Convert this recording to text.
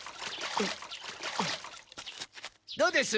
どうです？